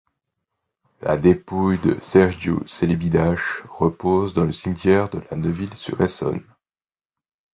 La dépouille de Sergiu Celibidache repose dans le cimetière de La Neuville-sur-Essonne.